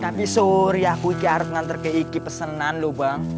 tapi sore aku harus ngantre ke pesanan lo bang